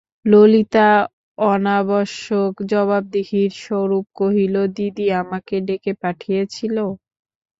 ললিতা অনাবশ্যক জবাবদিহির স্বরূপ কহিল, দিদি আমাকে ডেকে পাঠিয়েছিল।